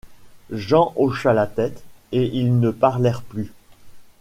Jean hocha la tête, et ils ne parlèrent plus.